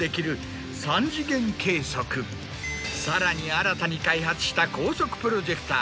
さらに新たに開発した高速プロジェクター。